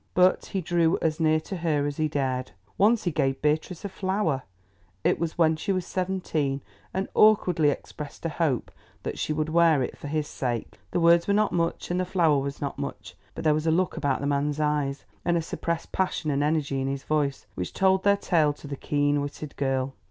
But he drew as near to her as he dared. Once he gave Beatrice a flower, it was when she was seventeen, and awkwardly expressed a hope that she would wear it for his sake. The words were not much and the flower was not much, but there was a look about the man's eyes, and a suppressed passion and energy in his voice, which told their tale to the keen witted girl.